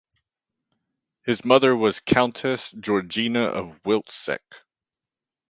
His mother was Countess Georgina of Wilczek.